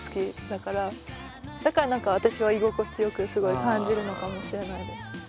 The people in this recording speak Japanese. だから何か私は居心地よくすごい感じるのかもしれないです。